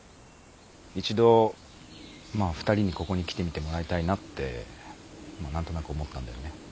一度２人にここに来てみてもらいたいなって何となく思ったんだよね。